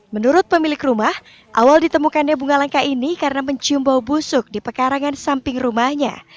menurut pemilik rumah awal ditemukannya bunga langka ini karena mencium bau busuk di pekarangan samping rumahnya